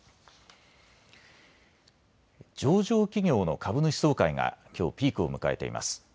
上場企業の株主総会がきょうピークを迎えています。